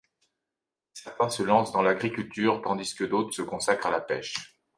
Certains se lancent dans l'agriculture tandis que d'autres se consacrent à la pêche.